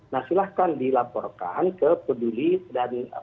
nah silahkan dilaporkan ke peduli dan